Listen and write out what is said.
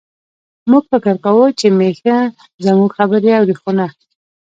موږ فکر کاوه چې میښه زموږ خبرې اوري، خو نه.